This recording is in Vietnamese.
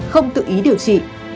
không tự ý điều trị